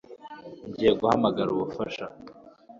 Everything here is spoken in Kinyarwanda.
Ngiye guhamagara ubufasha